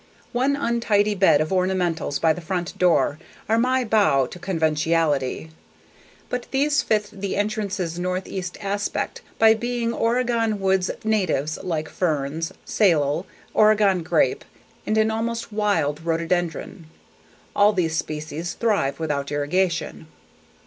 One untidy bed of ornamentals by the front door are my bow to conventionality, but these fit the entrances northeast aspect by being Oregon woods natives like ferns, salal, Oregon grape and an almost wild rhododendron all these species thrive without irrigation.